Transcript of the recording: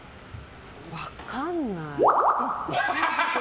分かんない。